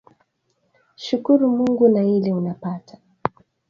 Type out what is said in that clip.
Shukuru mungu na ile una pata